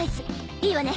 いいわね？